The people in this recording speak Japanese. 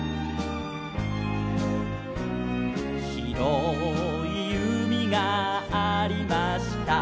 「ひろいうみがありました」